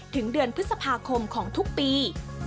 ถึงเดือนพฤษภาคมของทุกปี